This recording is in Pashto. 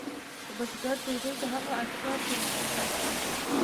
د بزګر ډوډۍ د هغه اړتیا پوره کوله.